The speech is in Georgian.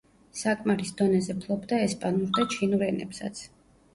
საკმარის დონეზე ფლობდა ესპანურ და ჩინურ ენებსაც.